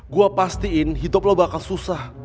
gue pastiin hidup lo bakal susah